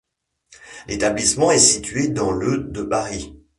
L'établissement est situé dans le de Paris.